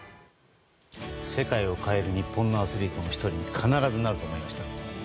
世界を変える日本のアスリートの１人に必ずなると思いました。